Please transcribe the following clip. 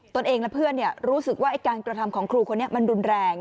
ตัวเองและเพื่อนรู้สึกว่าการกระทำของครูคนนี้มันรุนแรง